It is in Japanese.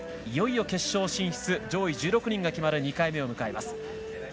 いよいよ決勝進出上位１６人が決まる２回目を迎えます。